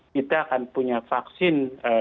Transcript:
kita akan punya vaksin